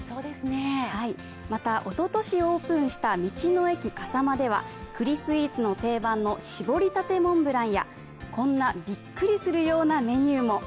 またおととしオープンした道の駅かさまでは栗スイーツの定番のしぼりたてモンブランやこんなびっくりするようなメニューも。